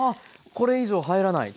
これ以上入らない。